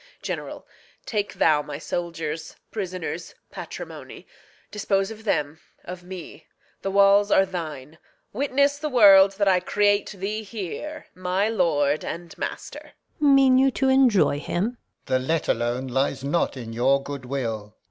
General, Take thou my soldiers, prisoners, patrimony; Dispose of them, of me; the walls are thine. Witness the world that I create thee here My lord and master. Gon. Mean you to enjoy him? Alb. The let alone lies not in your good will.